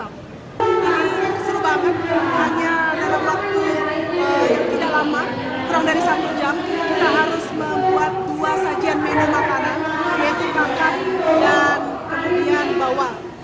ini seru banget hanya dalam waktu yang tidak lama kurang dari satu jam kita harus membuat dua sajian menu makanan yaitu kakek dan kemudian bawang